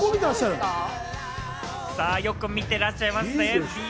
よく見てらっしゃいますね。